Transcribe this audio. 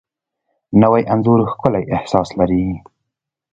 نوی انځور ښکلی احساس لري